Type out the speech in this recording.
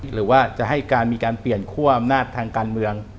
หรือว่าจะให้การมีการเปลี่ยนคั่วอำนาจทางการเมือง